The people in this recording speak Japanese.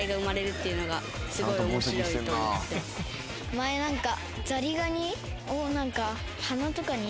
前何か。